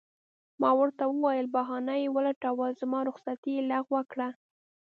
ما ورته وویل: بهانه یې ولټول، زما رخصتي یې لغوه کړه.